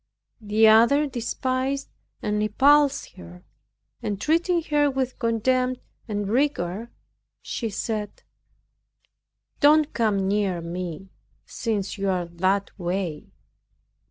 The other despised and repulsed her, and treating her with contempt and rigor, she said, "Don't come near me, since you are that way."